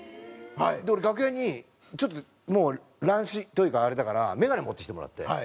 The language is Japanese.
俺楽屋にちょっともう乱視というかあれだからメガネ持ってきてもらって。